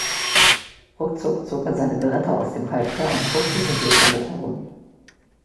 Ruckzuck zog er seine Beretta aus dem Halfter und fuchtelte wild damit herum.